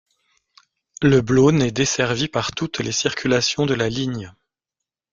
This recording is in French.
Le Blosne est desservie par toutes les circulations de la ligne.